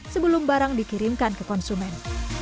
sebelum barang dikirimkan ke konsumen